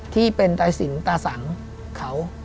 ที่เป็นตาสิงตาสังเขา